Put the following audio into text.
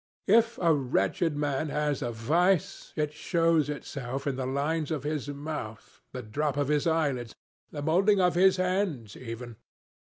If a wretched man has a vice, it shows itself in the lines of his mouth, the droop of his eyelids, the moulding of his hands even.